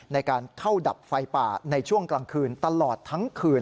ในการเข้าดับไฟป่าในช่วงกลางคืนตลอดทั้งคืน